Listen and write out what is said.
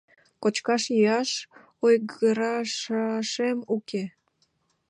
Кочкаш-йӱаш ойгырышашем уке.